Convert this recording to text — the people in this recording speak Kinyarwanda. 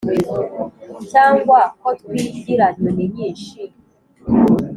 Cyangwa ko twigira nyoni-nyinshi